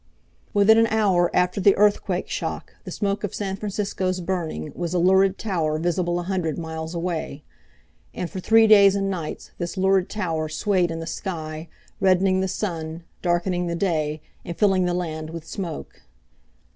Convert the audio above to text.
Within an hour after the earthquake shock the smoke of San Francisco's burning was a lurid tower visible a hundred miles away. And for three days and nights this lurid tower swayed in the sky, reddening the sun, darkening the day, and filling the land with smoke.